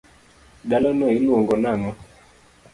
dalano iluongo nang'o?